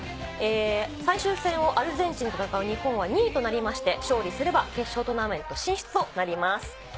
最終戦をアルゼンチンと戦う日本は２位となりまして、勝利すれば決勝トーナメント進出となります。